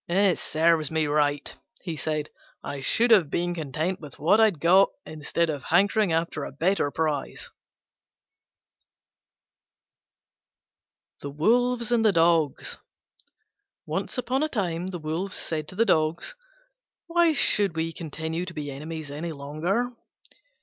"It serves me right," he said; "I should have been content with what I had got, instead of hankering after a better prize." THE WOLVES AND THE DOGS Once upon a time the Wolves said to the Dogs, "Why should we continue to be enemies any longer?